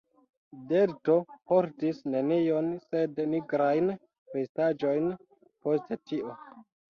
Delto portis nenion sed nigrajn vestaĵojn post tio.